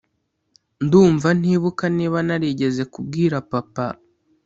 Ndumva ntibuka niba narigeze kubwira papa